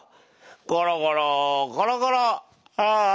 ゴロゴロゴロゴロああ。